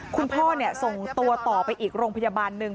คุณพ่อส่งตัวต่อไปอีกโรงพยาบาลหนึ่ง